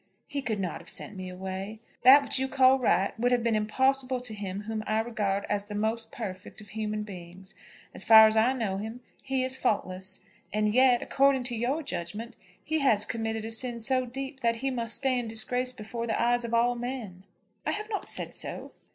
He could not have sent me away. That which you call right would have been impossible to him whom I regard as the most perfect of human beings. As far as I know him, he is faultless; and yet, according to your judgment, he has committed a sin so deep that he must stand disgraced before the eyes of all men." "I have not said so."